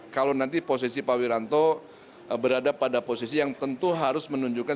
kalau nanti posisi pak wiranto berada pada posisi yang tentu harus menunjukkan